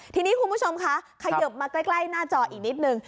ทีนี้คุณผู้ชมคะขยิบมาใกล้หน้าจออีกนิดนึง